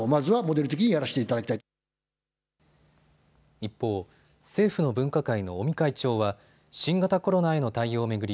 一方、政府の分科会の尾身会長は新型コロナへの対応を巡り